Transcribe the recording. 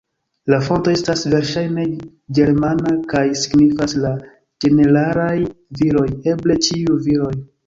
La fonto estas verŝajne ĝermana kaj signifas "la ĝeneralaj viroj", eble "ĉiuj viroj".